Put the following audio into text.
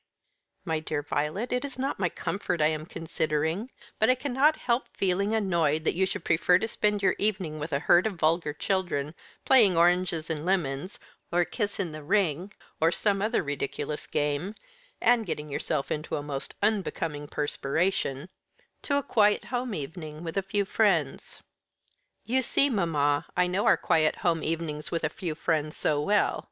"My dear Violet, it is not my comfort I am considering; but I cannot help feeling annoyed that you should prefer to spend your evening with a herd of vulgar children playing Oranges and Lemons, or Kiss in the Ring, or some other ridiculous game, and getting yourself into a most unbecoming perspiration to a quiet home evening with a few friends." "You see, mamma, I know our quiet home evenings with a few friends so well.